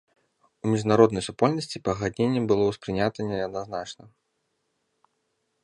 У міжнароднай супольнасці пагадненне было ўспрынята неадназначна.